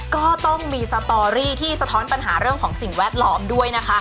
ก็ต้องมีสตอรี่ที่สะท้อนปัญหาเรื่องของสิ่งแวดล้อมด้วยนะคะ